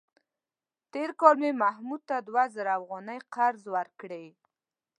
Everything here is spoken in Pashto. تېر کال مې محمود ته دوه زره افغانۍ قرض ورکړې.